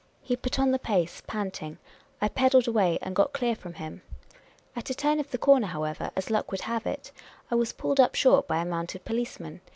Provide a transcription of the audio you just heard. He put on the pace, panting; I pedalled awa}'^ and got clear from him. At a turn of the corner, however, a.s luck would have it, I was pulled up short by a mounted policeman.